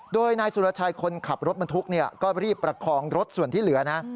โดยนายสุรชัยคนขับรถบรรทุกก็รีบประคองรถส่วนที่เหลือนะ